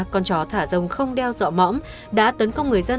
con chó thả rông không đeo dọa mõm đã tấn công người dân